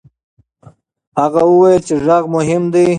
هغه وویل چې غږ مهم دی.